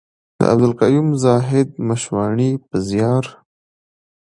د عبدالقيوم زاهد مشواڼي په زيار.